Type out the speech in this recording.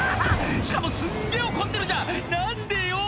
「しかもすんげぇ怒ってるじゃん何でよ⁉」